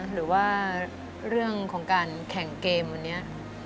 หรือว่าเรื่องของการแข่งเกมวันนี้